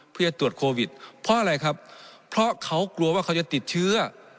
เพื่อตรวจโควิดเพราะอะไรครับเพราะเขากลัวว่าเขาจะติดเชื้อ